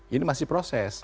ini masih proses